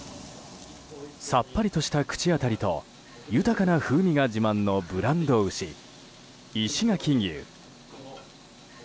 さっぱりとした口当たりと豊かな風味が自慢のブランド牛、石垣牛。